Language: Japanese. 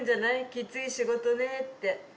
きつい仕事ねって。